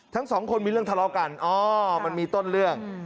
ทั้งสองคนมีเรื่องทะเลาะกันอ๋อมันมีต้นเรื่อง